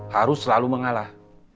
harus selalu mengalah